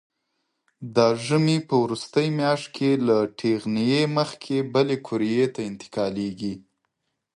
د ژمي په وروستۍ میاشت کې له ټېغنې مخکې بلې قوریې ته انتقالېږي.